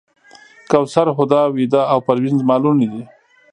کوثر، هُدا، ویدا او پروین زما لوڼې دي.